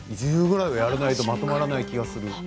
１０ぐらいはやらないとまとまらない気がする。